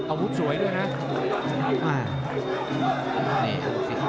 อาวุธสวยด้วยนะ